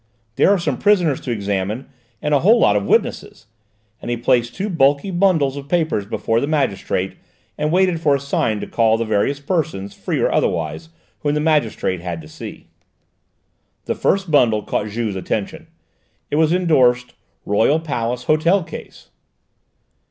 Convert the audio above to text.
"There are some prisoners to examine, and a whole lot of witnesses," and he placed two bulky bundles of papers before the magistrate and waited for a sign to call the various persons, free or otherwise, whom the magistrate had to see. The first bundle caught Juve's attention. It was endorsed "Royal Palace Hotel Case."